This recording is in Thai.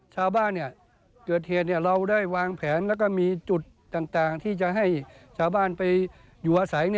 จะมีจุดต่างที่จะให้ชาวบ้านไปอยู่อาศัย